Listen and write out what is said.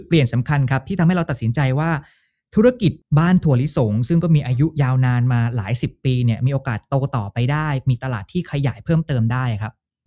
เปลี่ยนสำคัญครับที่ทำให้เราตัดสินใจว่าธุรกิจบ้านถั่วลิสงซึ่งก็มีอายุยาวนานมาหลายสิบปีเนี่ยมีโอกาสโตต่อไปได้มีตลาดที่ขยายเพิ่มเติมได้ครับ